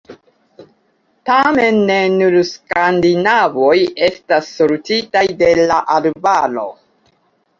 Tamen ne nur skandinavoj estas sorĉitaj de la arbaro.